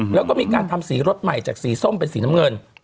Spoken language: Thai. แล้วก็มีการทำสีรถใหม่จากสีส้มเป็นสีน้ำเงิน